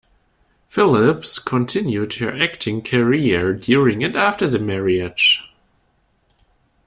Phillips continued her acting career during and after the marriage.